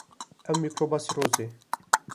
Ew mîkroba sîrozê.